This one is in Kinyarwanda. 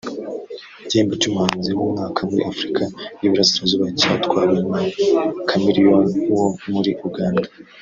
Igihembo cy’umuhanzi w’umwaka muri Afurika y’Uburasirazuba cyatwawe na Chameleone wo muri Uganda